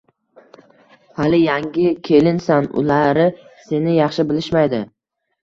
Hali yangi kelinsan, ulari seni yaxshi bilishmaydi